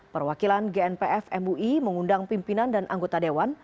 perwakilan gnpf mui mengundang pimpinan dan anggota dewan